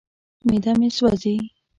معده مې سوځي.